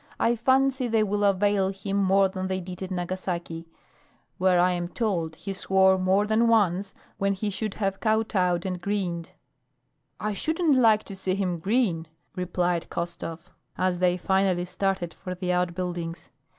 I fancy they will avail him more than they did at Nagasaki where I am told he swore more than once when he should have kowtowed and grinned." "I shouldn't like to see him grin," replied Khostov, as they finally started for the outbuildings.